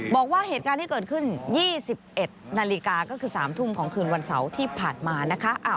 บอกว่าเหตุการณ์ที่เกิดขึ้น๒๑นาฬิกาก็คือ๓ทุ่มของคืนวันเสาร์ที่ผ่านมานะคะ